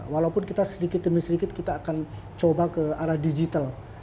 walaupun kita sedikit demi sedikit kita akan coba ke arah digital